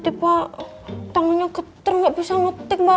kiki kok tiba tiba tangannya keter nggak bisa ngetik mbak